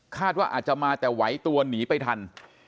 ว่าอาจจะมาแต่ไหวตัวหนีไปทัน